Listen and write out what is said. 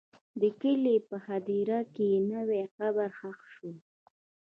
د کلي په هدیره کې نوی قبر ښخ شو.